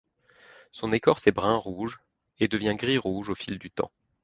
Son écorce est brun-rouge, et devient gris-rouge au fil du temps.